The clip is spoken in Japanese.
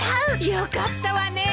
よかったわねえ。